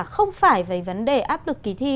không phải về vấn đề áp lực kỳ thi